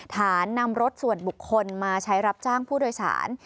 นำรถส่วนบุคคลมาใช้รับจ้างผู้โดยสาร